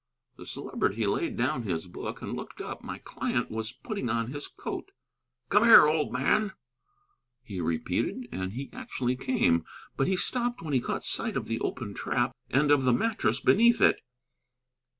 The Celebrity laid down his book and looked up: my client was putting on his coat. "Come here, old man," he repeated. And he actually came. But he stopped when he caught sight of the open trap and of the mattress beneath it.